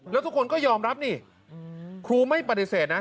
แล้วทุกคนก็ยอมรับนี่ครูไม่ปฏิเสธนะ